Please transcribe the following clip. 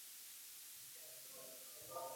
کوربچې او بالښتان سموي.